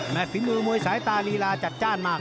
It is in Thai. แมทฟิวสัยตาลี้ราชาติจ้านมาก